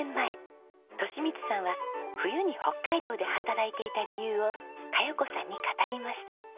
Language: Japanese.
利光さんは冬に北海道で働いていた理由を香葉子さんに語りました。